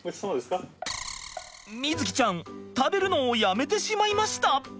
瑞己ちゃん食べるのをやめてしまいました。